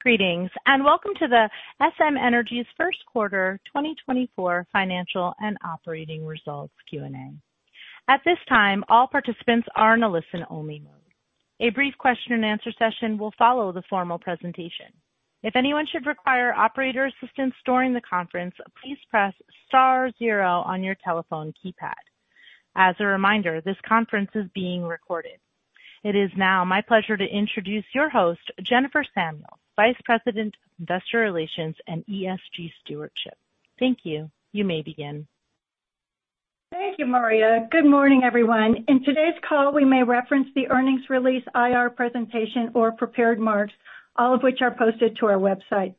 Greetings, and welcome to the SM Energy's first quarter 2024 financial and operating results Q&A. At this time, all participants are in a listen-only mode. A brief question and answer session will follow the formal presentation. If anyone should require operator assistance during the conference, please press star zero on your telephone keypad. As a reminder, this conference is being recorded. It is now my pleasure to introduce your host, Jennifer Samuels, Vice President, Investor Relations and ESG Stewardship. Thank you. You may begin. Thank you, Maria. Good morning, everyone. In today's call, we may reference the earnings release IR presentation or prepared remarks, all of which are posted to our website.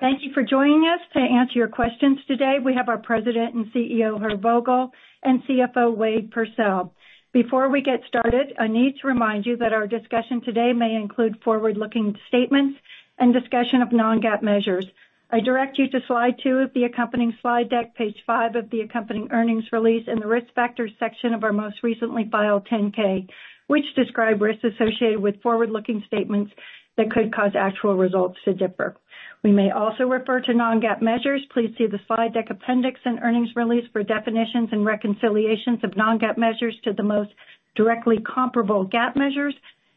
Thank you for joining us. To answer your questions today, we have our President and CEO, Herb Vogel, and CFO, Wade Pursell. Before we get started, I need to remind you that our discussion today may include forward-looking statements and discussion of non-GAAP measures. I direct you to slide 2 of the accompanying slide deck, page 5 of the accompanying earnings release, and the Risk Factors section of our most recently filed 10-K, which describe risks associated with forward-looking statements that could cause actual results to differ. We may also refer to non-GAAP measures. Please see the slide deck appendix and earnings release for definitions and reconciliations of non-GAAP measures to the most directly comparable GAAP measures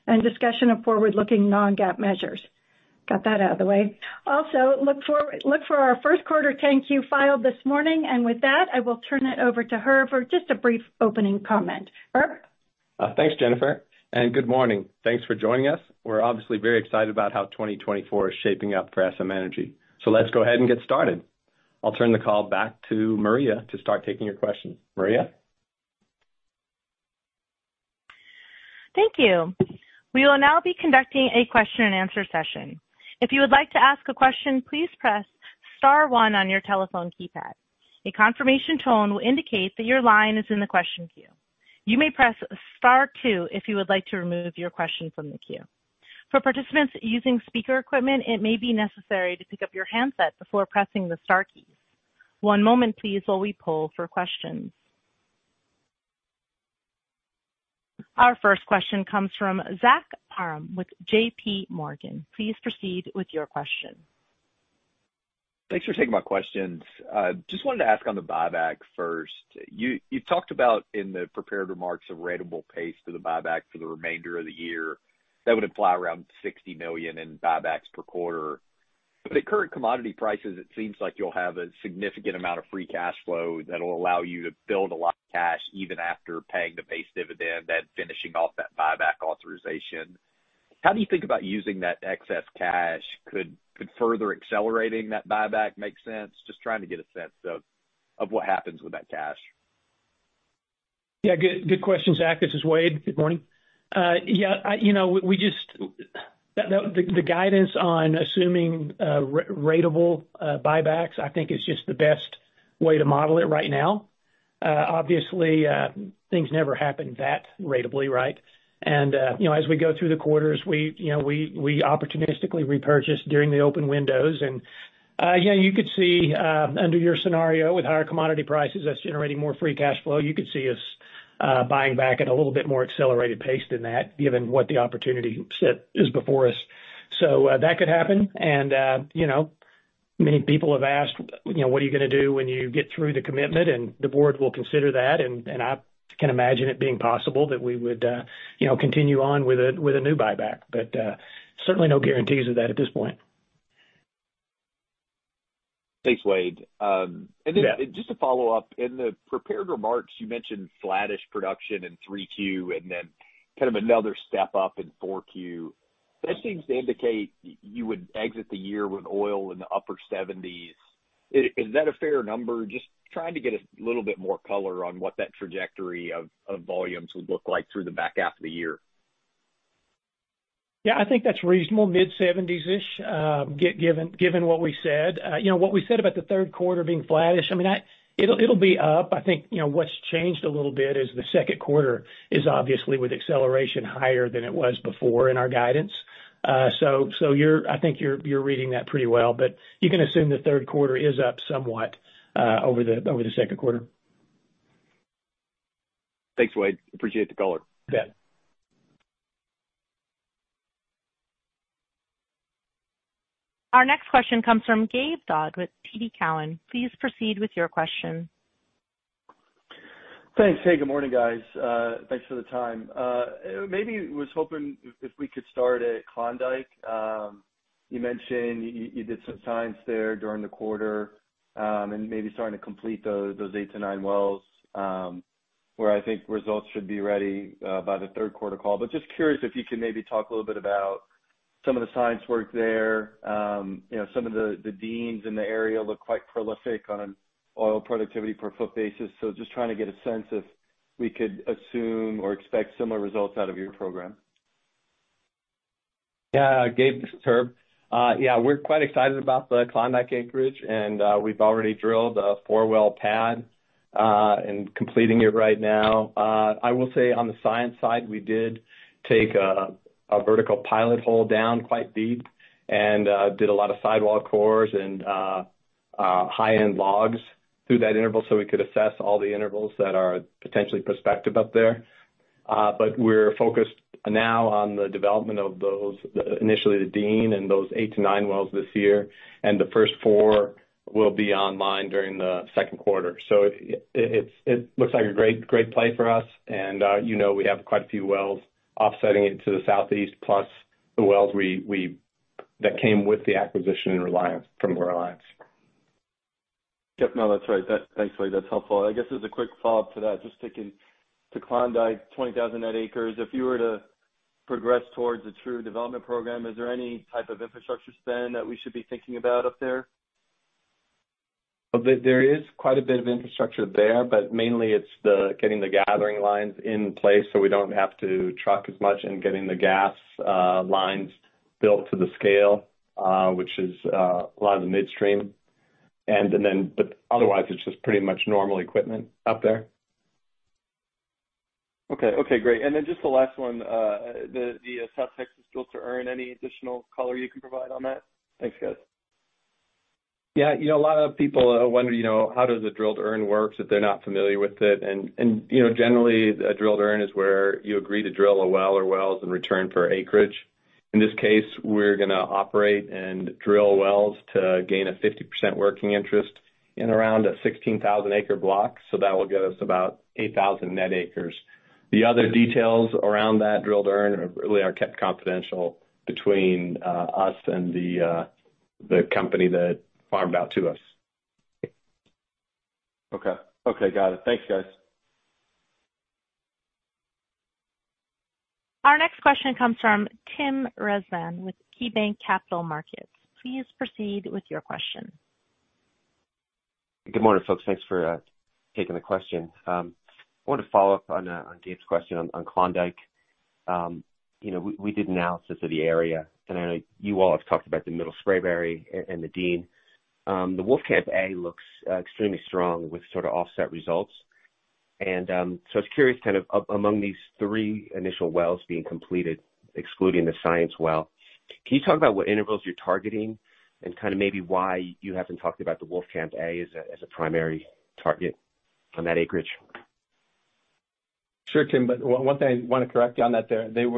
and discussion of forward-looking non-GAAP measures. Got that out of the way. Also, look for, look for our first quarter 10-Q filed this morning, and with that, I will turn it over to Herb for just a brief opening comment. Herb? Thanks, Jennifer, and good morning. Thanks for joining us. We're obviously very excited about how 2024 is shaping up for SM Energy. So let's go ahead and get started. I'll turn the call back to Maria to start taking your questions. Maria? Thank you. We will now be conducting a question and answer session. If you would like to ask a question, please press star one on your telephone keypad. A confirmation tone will indicate that your line is in the question queue. You may press star two if you would like to remove your question from the queue. For participants using speaker equipment, it may be necessary to pick up your handset before pressing the star keys. One moment, please, while we poll for questions. Our first question comes from Zach Parham with J.P. Morgan. Please proceed with your question. Thanks for taking my questions. Just wanted to ask on the buyback first. You talked about in the prepared remarks, a ratable pace to the buyback for the remainder of the year. That would imply around $60 million in buybacks per quarter. But at current commodity prices, it seems like you'll have a significant amount of free cash flow that will allow you to build a lot of cash, even after paying the base dividend and finishing off that buyback authorization. How do you think about using that excess cash? Could further accelerating that buyback make sense? Just trying to get a sense of what happens with that cash. Yeah, good, good question, Zach. This is Wade. Good morning. Yeah, I, you know, we just that the guidance on assuming ratable buybacks, I think is just the best way to model it right now. Obviously, things never happen that ratably, right? And, you know, as we go through the quarters, we, you know, we opportunistically repurchase during the open windows. And, yeah, you could see, under your scenario, with higher commodity prices, that's generating more free cash flow. You could see us buying back at a little bit more accelerated pace than that, given what the opportunity set is before us. So, that could happen. You know, many people have asked, you know, "What are you gonna do when you get through the commitment?" And the board will consider that, and I can imagine it being possible that we would, you know, continue on with a new buyback, but certainly no guarantees of that at this point. Thanks, Wade. Yeah. And then just to follow up, in the prepared remarks, you mentioned flattish production in 3Q, and then kind of another step up in 4Q. That seems to indicate you would exit the year with oil in the upper seventies. Is that a fair number? Just trying to get a little bit more color on what that trajectory of volumes would look like through the back half of the year. Yeah, I think that's reasonable, mid-seventies-ish, given what we said. You know, what we said about the third quarter being flattish, I mean, it'll be up. I think, you know, what's changed a little bit is the second quarter is obviously with acceleration higher than it was before in our guidance. So, you're reading that pretty well, but you can assume the third quarter is up somewhat over the second quarter. Thanks, Wade. Appreciate the color. You bet. Our next question comes from Gabe Daoud with TD Cowen. Please proceed with your question. Thanks. Hey, good morning, guys. Thanks for the time. Maybe was hoping if we could start at Klondike. You mentioned you did some science there during the quarter, and maybe starting to complete those 8-9 wells, where I think results should be ready by the third quarter call. But just curious if you could maybe talk a little bit about some of the science work there. You know, some of the Deans in the area look quite prolific on an oil productivity per foot basis, so just trying to get a sense if we could assume or expect similar results out of your program. Yeah, Gabe, this is Herb. Yeah, we're quite excited about the Klondike acreage, and we've already drilled a 4-well pad and completing it right now. I will say on the science side, we did take a vertical pilot hole down quite deep and did a lot of sidewall cores and high-end logs through that interval, so we could assess all the intervals that are potentially prospective up there. But we're focused now on the development of those, initially, the Dean and those 8-9 wells this year, and the first 4 will be online during the second quarter. So it looks like a great play for us, and you know, we have quite a few wells offsetting into the southeast, plus the wells we that came with the acquisition in Reliance, from Reliance. Yep, no, that's right. That, thanks, Wade, that's helpful. I guess as a quick follow-up to that, just sticking to Klondike, 20,000 net acres, if you were to progress towards a true development program, is there any type of infrastructure spend that we should be thinking about up there? Well, there is quite a bit of infrastructure there, but mainly it's the getting the gathering lines in place so we don't have to truck as much and getting the gas, lines built to the scale, which is, a lot of the midstream. And then, but otherwise, it's just pretty much normal equipment up there. Okay, okay, great. And then just the last one, the South Texas drill to earn, any additional color you can provide on that? Thanks, guys. Yeah, you know, a lot of people wonder, you know, how does a drill to earn works if they're not familiar with it. And you know, generally, a drill to earn is where you agree to drill a well or wells in return for acreage. In this case, we're gonna operate and drill wells to gain a 50% working interest in around a 16,000-acre block, so that will get us about 8,000 net acres. The other details around that drill to earn really are kept confidential between us and the company that farmed out to us. Okay. Okay, got it. Thanks, guys. Our next question comes from Tim Rezvan with KeyBanc Capital Markets. Please proceed with your question. Good morning, folks. Thanks for taking the question. I wanted to follow up on Gabe's question on Klondike. You know, we did an analysis of the area, and I know you all have talked about the Middle Spraberry and the Dean. The Wolfcamp A looks extremely strong with sort of offset results. So I was curious, kind of among these three initial wells being completed, excluding the science well, can you talk about what intervals you're targeting and kind of maybe why you haven't talked about the Wolfcamp A as a primary target on that acreage? Sure, Tim. But one thing I want to correct you on that there, there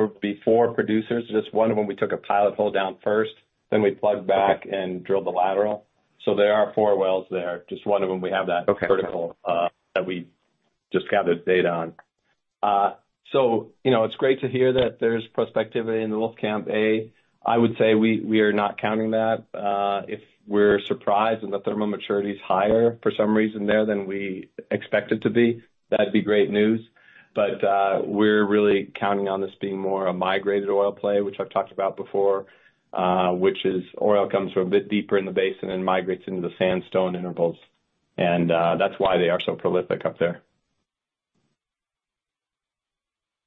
would be four producers. Just one of them, we took a pilot hole down first, then we plugged back- Okay. and drilled the lateral. So there are four wells there, just one of them we have that- Okay. Vertical, that we just gathered data on. So you know, it's great to hear that there's prospectivity in the Wolfcamp A. I would say we, we are not counting that. If we're surprised and the thermal maturity is higher for some reason there than we expect it to be, that'd be great news. But, we're really counting on this being more a migrated oil play, which I've talked about before, which is oil comes from a bit deeper in the basin and migrates into the sandstone intervals, and, that's why they are so prolific up there.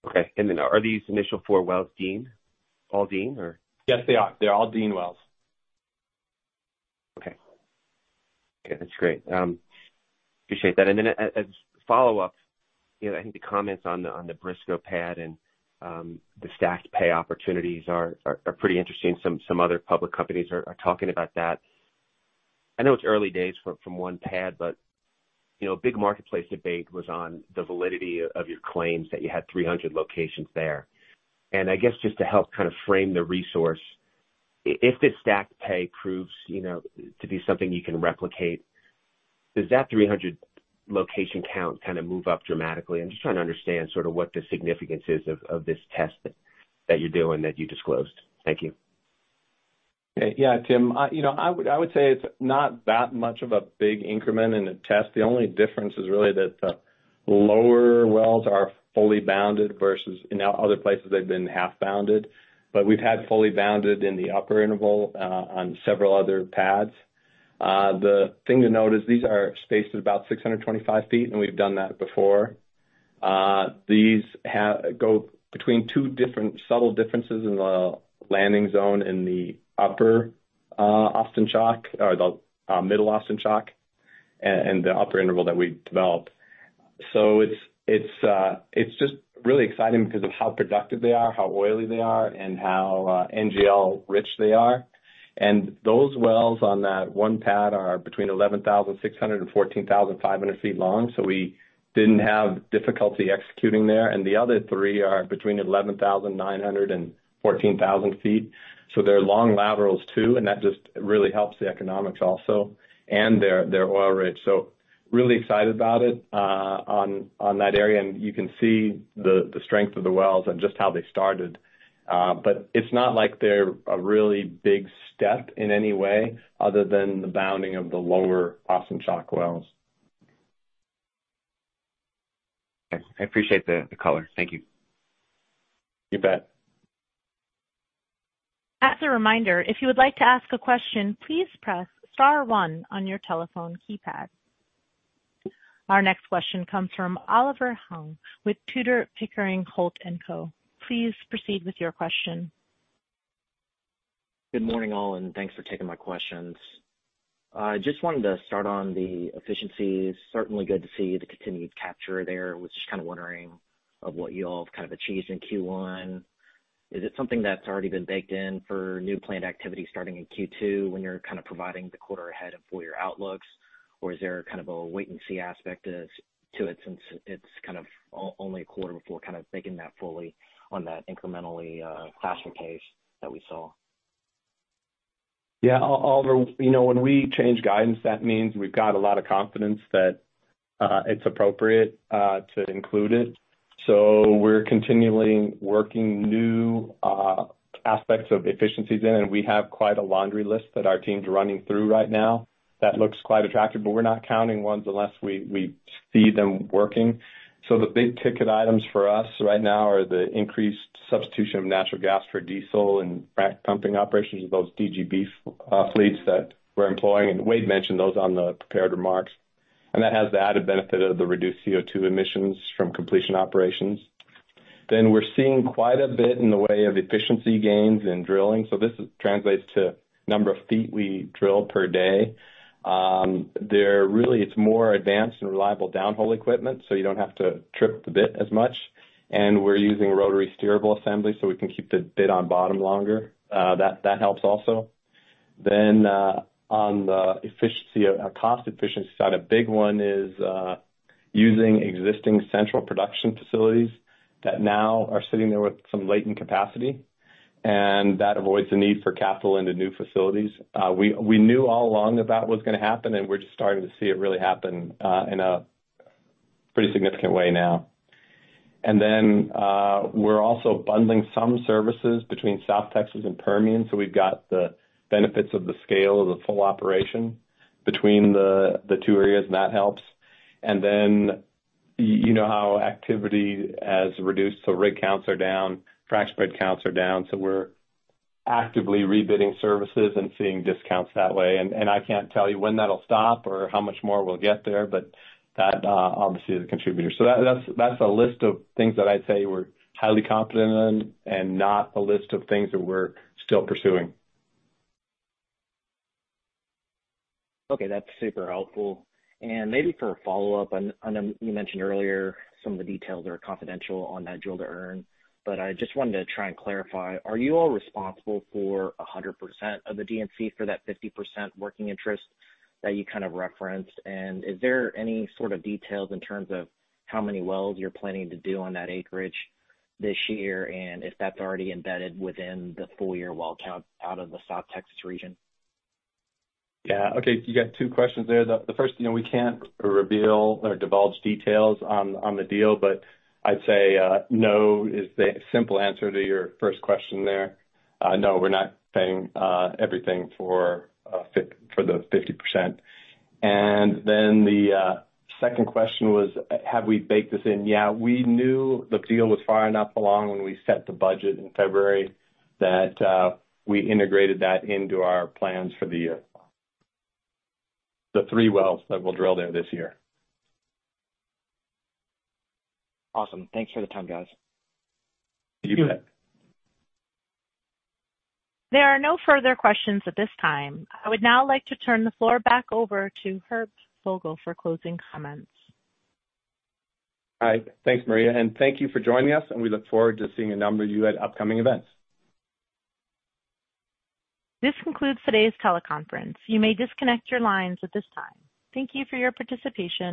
Okay. And then are these initial 4 wells Dean, all Dean, or? Yes, they are. They're all Dean wells. Okay. Okay, that's great. Appreciate that. And then, as a follow-up, you know, I think the comments on the Briscoe pad and the stacked pay opportunities are pretty interesting. Some other public companies are talking about that. I know it's early days from one pad, but you know, a big marketplace debate was on the validity of your claims that you had 300 locations there. And I guess just to help kind of frame the resource, if this stacked pay proves, you know, to be something you can replicate, does that 300 location count kind of move up dramatically? I'm just trying to understand sort of what the significance is of this test that you're doing, that you disclosed. Thank you. Yeah, Tim, you know, I would say it's not that much of a big increment in the test. The only difference is really that the lower wells are fully bounded versus in other places, they've been half bounded. But we've had fully bounded in the upper interval on several other pads. The thing to note is these are spaced about 625 feet, and we've done that before. These go between two different subtle differences in the landing zone in the Upper Austin Chalk or the Middle Austin Chalk and the upper interval that we developed. So it's just really exciting because of how productive they are, how oily they are, and how NGL rich they are. And those wells on that one pad are between 11,600 and 14,500 feet long, so we didn't have difficulty executing there. And the other three are between 11,900 and 14,000 feet, so they're long laterals too, and that just really helps the economics also. And they're, they're oil-rich, so really excited about it on that area. And you can see the, the strength of the wells and just how they started. But it's not like they're a really big step in any way other than the bounding of the Lower Austin Chalk wells. I appreciate the color. Thank you. You bet. As a reminder, if you would like to ask a question, please press star one on your telephone keypad. Our next question comes from Oliver Huang with Tudor, Pickering, Holt & Co. Please proceed with your question. Good morning, all, and thanks for taking my questions. I just wanted to start on the efficiencies. Certainly good to see the continued capture there. I was just kind of wondering of what you all have kind of achieved in Q1. Is it something that's already been baked in for new planned activity starting in Q2 when you're kind of providing the quarter ahead of full year outlooks? Or is there kind of a wait-and-see aspect to it, since it's kind of only a quarter before kind of baking that fully on that incrementally cash flow case that we saw? Yeah, Oliver, you know, when we change guidance, that means we've got a lot of confidence that it's appropriate to include it. So we're continually working new aspects of efficiencies in, and we have quite a laundry list that our team's running through right now that looks quite attractive, but we're not counting ones unless we see them working. So the big-ticket items for us right now are the increased substitution of natural gas for diesel and frac pumping operations of those DGB fleets that we're employing. And Wade mentioned those on the prepared remarks, and that has the added benefit of the reduced CO2 emissions from completion operations. Then we're seeing quite a bit in the way of efficiency gains in drilling, so this translates to number of feet we drill per day. It's more advanced and reliable downhole equipment, so you don't have to trip the bit as much. And we're using rotary steerable assembly, so we can keep the bit on bottom longer. That helps also. Then, on the efficiency, on cost efficiency side, a big one is using existing central production facilities that now are sitting there with some latent capacity, and that avoids the need for capital into new facilities. We knew all along that that was gonna happen, and we're just starting to see it really happen in a pretty significant way now. And then, we're also bundling some services between South Texas and Permian, so we've got the benefits of the scale of the full operation between the two areas, and that helps. And then, you know how activity has reduced, so rig counts are down, frac spread counts are down, so we're actively rebidding services and seeing discounts that way. And I can't tell you when that'll stop or how much more we'll get there, but that, obviously, is a contributor. So that's, that's a list of things that I'd say we're highly confident in and not a list of things that we're still pursuing. Okay, that's super helpful. And maybe for a follow-up, I know you mentioned earlier some of the details are confidential on that drill to earn, but I just wanted to try and clarify: Are you all responsible for 100% of the D&C for that 50% working interest that you kind of referenced? And is there any sort of details in terms of how many wells you're planning to do on that acreage this year, and if that's already embedded within the full year well count out of the South Texas region? Yeah. Okay, you got two questions there. The first, you know, we can't reveal or divulge details on the deal, but I'd say no is the simple answer to your first question there. No, we're not paying everything for the 50%. And then the second question was, have we baked this in? Yeah, we knew the deal was far enough along when we set the budget in February, that we integrated that into our plans for the year. The three wells that we'll drill there this year. Awesome. Thanks for the time, guys. You bet. There are no further questions at this time. I would now like to turn the floor back over to Herb Vogel for closing comments. Hi. Thanks, Maria, and thank you for joining us, and we look forward to seeing a number of you at upcoming events. This concludes today's teleconference. You may disconnect your lines at this time. Thank you for your participation.